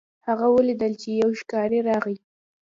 هغه ولیدل چې یو ښکاري راغی.